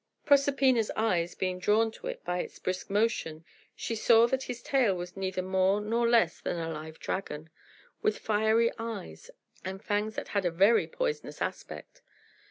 Proserpina's eyes being drawn to it by its brisk motion, she saw that this tail was neither more nor less than a live dragon, with fiery eyes, and fangs that had a very poisonous aspect.